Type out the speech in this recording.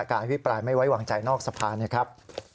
อภิปรายไม่ไว้วางใจนอกสภานะครับ